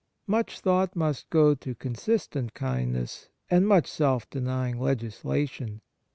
Much thought must go to consistent kindness, and much self denying legislation.